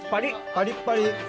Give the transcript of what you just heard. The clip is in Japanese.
パリッパリ。